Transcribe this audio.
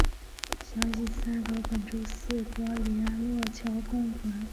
详细请参考本州四国联络桥公团。